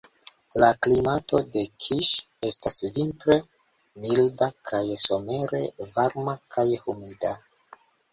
La klimato de Kiŝ estas vintre milda kaj somere varma kaj humida.